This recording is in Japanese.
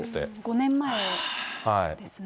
５年前ですね。